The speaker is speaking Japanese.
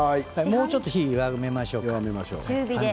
もうちょっと火を弱めましょうか。